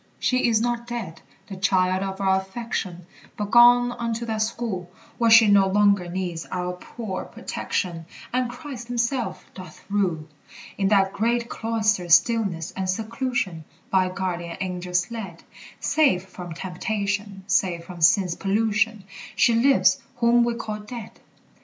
She is not dead, the child of our affection, But gone unto that school Where she no longer needs our poor protection, And Christ himself doth rule. In that great cloister's stillness and seclusion, By guardian angels led, Safe from temptation, safe from sin's pollution, She lives whom we call dead.